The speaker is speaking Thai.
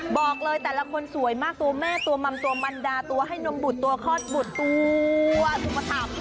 บอกเลยแต่ละคนสวยมากตัวแม่ตัวมัมตัวมันดาตัวให้นมบุตรตัวคลอดบุตรตัวอุปถัมภ์